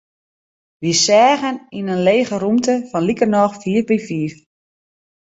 Wy seagen yn in lege rûmte fan likernôch fiif by fiif.